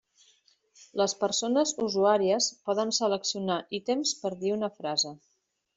Les persones usuàries poden seleccionar ítems per dir una frase.